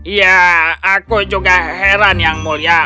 ya aku juga heran yang mulia